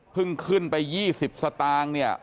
เพิ่งขึ้นไป๒๐สตางค์เนี่ย